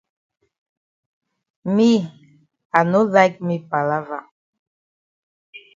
Me I no like me palava.